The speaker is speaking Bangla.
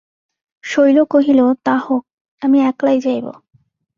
শৈল কহিল, তা হোক, আমি একলাই যাইব।